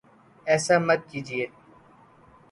ایسا مت کیجیے